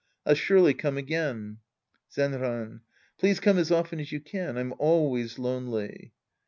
I'll surely come again. Zenran. Please come as often as you can. I'm always lonely.